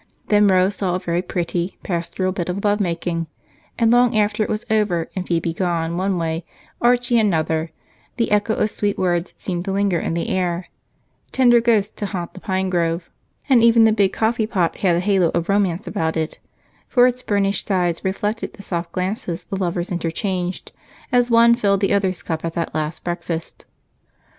Then Rose saw a very pretty, pastoral bit of lovemaking, and long after it was over, and Phebe gone one way, Archie another, the echo of sweet words seemed to linger in the air, tender ghosts to haunt the pine grove, and even the big coffeepot had a halo of romance about it, for its burnished sides reflected the soft glances the lovers interchanged as one filled the other's cup at that last breakfast.